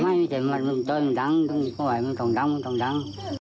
ไม่ไม่ใช่หมัดน้องจ้อยมันต้องทั้งมันต้องทั้งมันต้องทั้ง